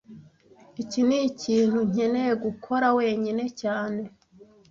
Iki nikintu nkeneye gukora wenyine cyane